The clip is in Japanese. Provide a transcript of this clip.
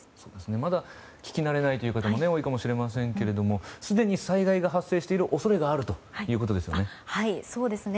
まだ、聞き慣れない方も多いかもしれませんがすでに災害が発生している恐れがあるということですよね。